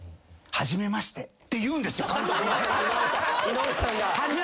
「初めまして」！？って言うんですよ。